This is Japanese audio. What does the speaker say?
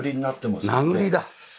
名栗だ。